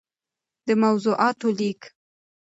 دموضوعاتو ليــک